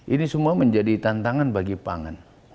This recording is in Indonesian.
ini semua menjadi tantangan bagi pangan